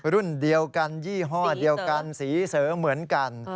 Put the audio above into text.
รุ่นเดียวกันยี่ห้อเดียวกันสีเสริมเหมือนกัน